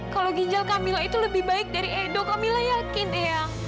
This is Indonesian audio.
kalau ginjal kamila itu lebih baik dari edo kamila yakin eang